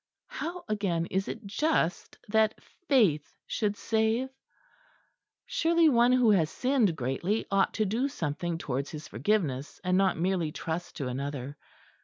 How, again, is it just that faith should save? Surely one who has sinned greatly ought to do something towards his forgiveness, and not merely trust to another.